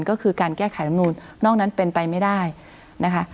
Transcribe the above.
ก็คือการแก้ไขรำนูนนอกนั้นเป็นไปไม่ได้นะคะ